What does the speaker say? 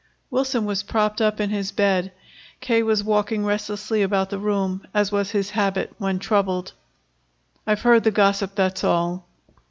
Wilson was propped up in his bed. K. was walking restlessly about the room, as was his habit when troubled. "I've heard the gossip; that's all."